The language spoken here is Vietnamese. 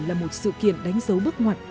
là một sự kiện đánh dấu bước ngoặt